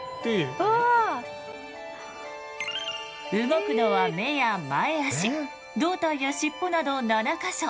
動くのは目や前あし胴体や尻尾など７か所。